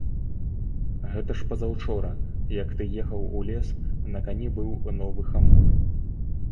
Гэта ж пазаўчора, як ты ехаў у лес, на кані быў новы хамут.